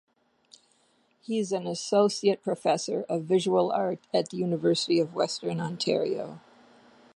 He is an associate professor of visual art at the University of Western Ontario.